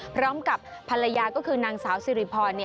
พร้อมกับภรรยาก็คือนางสาวสิริพร